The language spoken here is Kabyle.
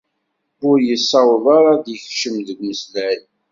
Ur yessaweḍ ara ad d-yekcem deg umeslay.